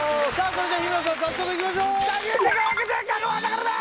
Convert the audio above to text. それでは日村さん早速いきましょう！